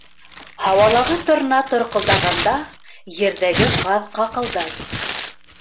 Һауалағы торна торҡолдағанда, ерҙәге ҡаҙ ҡаҡылдай